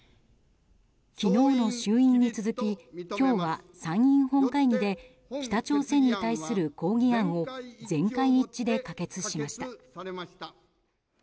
昨日の衆院に続き今日は参院本会議で北朝鮮に対する抗議案を全会一致で可決しました。